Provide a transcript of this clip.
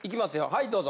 はいどうぞ。